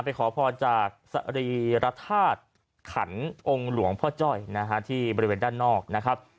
ขอพรจากสรีรธาตุขันองค์หลวงพ่อจ้อยนะฮะที่บริเวณด้านนอกนะครับ